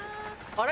あれ？